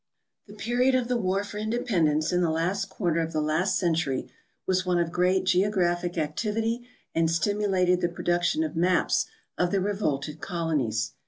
The period of the war for independence in the last quarter of the last century was one of great geographic activity and stimu lated the production of maps of the revolted colonies.